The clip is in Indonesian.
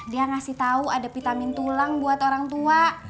dia ngasih tahu ada vitamin tulang buat orang tua